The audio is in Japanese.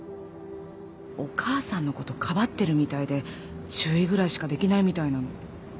お母さんのことかばってるみたいで注意ぐらいしかできないみたいなの。